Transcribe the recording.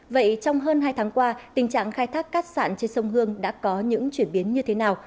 vậy trong hơn hai tháng qua tình trạng khai thác cát sản trên sông hương đã có những chuyển biến như thế nào